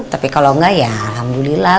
tapi kalau enggak ya alhamdulillah